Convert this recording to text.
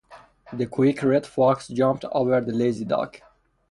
The quick red fox jumped over the lazy dog.